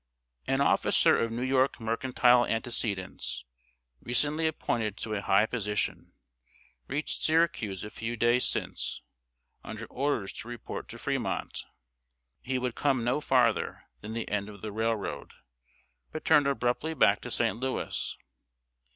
An officer of New York mercantile antecedents, recently appointed to a high position, reached Syracuse a few days since, under orders to report to Fremont. He would come no farther than the end of the railroad, but turned abruptly back to St. Louis.